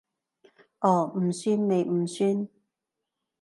哦，唔算咪唔算